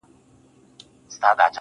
هر انسان امید لري.